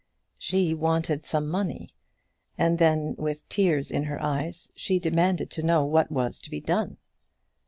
She wanted some money, and then, with tears in her eyes, she demanded to know what was to be done.